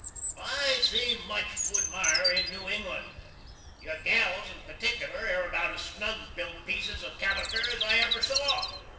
I see mutch to admire in New Englan. Your gals in partickular air abowt as snug bilt peaces of Calliker as I ever saw.